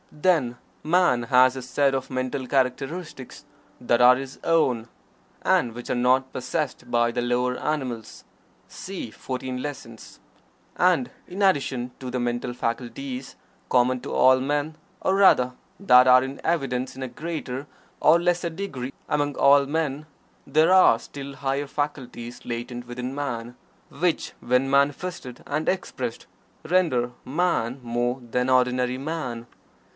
Then Man has a set of mental characteristics that are his own, and which are not possessed by the lower animals (See "Fourteen Lessons"). And in addition to the mental faculties common to all men, or rather, that are in evidence in a greater or lesser degree among all men, there are still higher faculties latent within Man, which when manifested and expressed render Man more than ordinary Man.